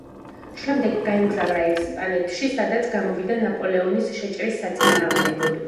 შემდეგ გაემგზავრა ესპანეთში სადაც გამოვიდა ნაპოლეონის შეჭრის საწინააღმდეგოდ.